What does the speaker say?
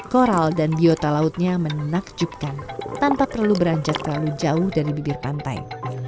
koral dan biota lautnya menakjubkan tanpa perlu beranjak terlalu jauh dari bibir pantai